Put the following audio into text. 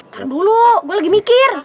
karena dulu gue lagi mikir